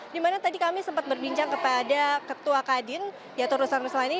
dimana tadi kami sempat berbincang kepada ketua kadin yaitu ruslan ruslani